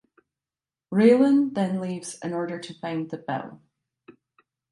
Raylan then leaves in order to find the bill.